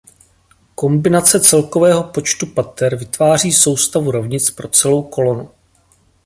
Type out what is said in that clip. Kombinace celkového počtu pater vytváří soustavu rovnic pro celou kolonu.